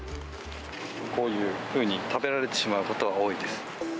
こういうふうに食べられてしまうことは多いです。